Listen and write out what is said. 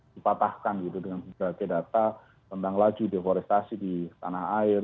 dipatahkan gitu dengan berbagai data tentang laju deforestasi di tanah air